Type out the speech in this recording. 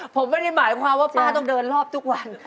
ผมไม่ได้หมายความว่าป้าต้องเดินรอบทุกวัน